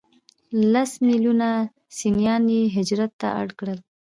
لس ملیونه سنیان یې هجرت ته اړ کړل.